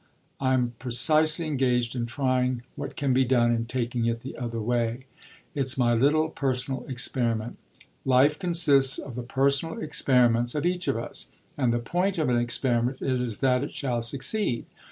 _ I'm precisely engaged in trying what can be done in taking it the other way. It's my little personal experiment. Life consists of the personal experiments of each of us, and the point of an experiment is that it shall succeed.